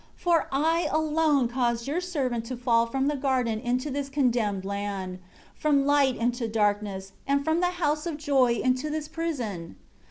5 For I alone caused Your servant to fall from the garden into this condemned land; from light into this darkness; and from the house of joy into this prison.